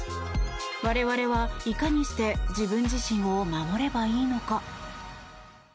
我々は、いかにして自分自身を守ればいいのか。